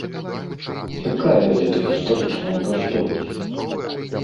Якая гэта гістарычная каштоўнасць?